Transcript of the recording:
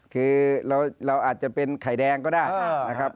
คือเราอาจจะเป็นไข่แดงก็ได้นะครับ